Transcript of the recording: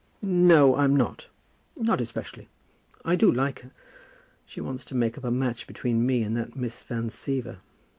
"No, I'm not; not especially. I do like her. She wants to make up a match between me and that Miss Van Siever.